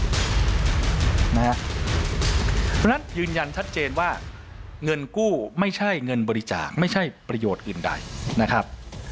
เพราะฉะนั้นยืนยันชัดเจนว่าเงินกู้ไม่ใช่เงินบริจาคไม่ใช่ประโยชน์อื่นใดนะครับ